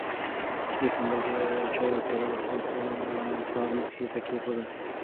شریف په انګړ کې د چایو پیاله د خپل پلار مخې ته کېښوده.